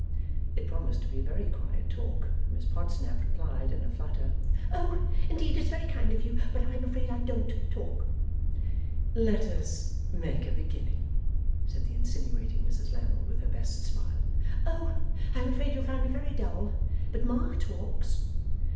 It promised to be a very quiet talk, for Miss Podsnap replied in a flutter, 'Oh! Indeed, it's very kind of you, but I am afraid I DON'T talk.' 'Let us make a beginning,' said the insinuating Mrs Lammle, with her best smile. 'Oh! I am afraid you'll find me very dull. But Ma talks!